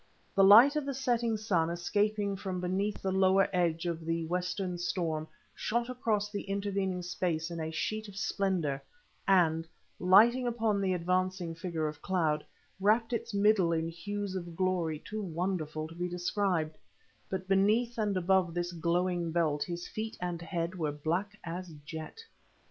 The light of the setting sun escaping from beneath the lower edge of the western storm shot across the intervening space in a sheet of splendour, and, lighting upon the advancing figure of cloud, wrapped its middle in hues of glory too wonderful to be described; but beneath and above this glowing belt his feet and head were black as jet.